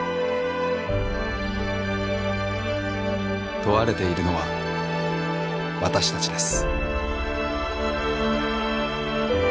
問われているのは私たちです。